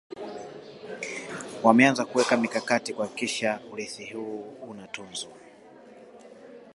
Wameanza kuweka mikakati kuhakikisha urithi huu unatunzwa